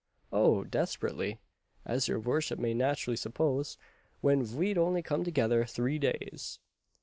"Oh! desperately, as your vorship may natt'rully suppose, when ve'd only come together three days."